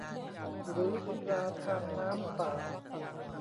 หรือกีฬาทางน้ำต่าง